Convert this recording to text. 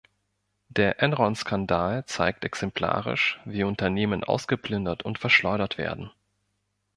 Der Enron-Skandal zeigt exemplarisch, wie Unternehmen ausgeplündert und verschleudert werden.